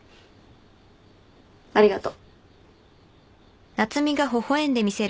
ありがと。